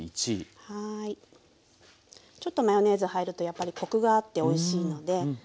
ちょっとマヨネーズ入るとやっぱりコクがあっておいしいので。